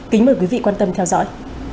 kính mời quý vị quan tâm theo dõi